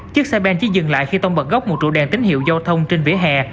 chiếc xe ben chỉ dừng lại khi tông bật gốc một trụ đèn tín hiệu giao thông trên vỉa hè